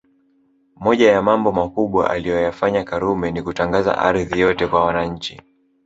Moja ya Mambo makubwa aliyoyafanya Karume Ni kutangaza ardhi yote kwa wananchi